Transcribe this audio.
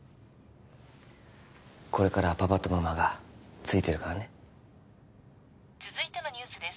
これからはパパとママがついてるからね続いてのニュースです